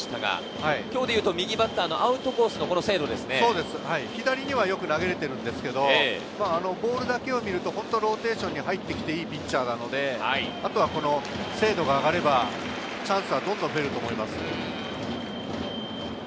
今日で言うと右バッターのアウトコースへのボールだけを見ると、ローテーションに入ってきていいピッチャーなので、あとは精度が上がればチャンスはどんどん増えると思います。